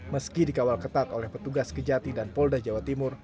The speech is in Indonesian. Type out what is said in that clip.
meski dikawal ketat oleh petugas kejati dan polda jawa timur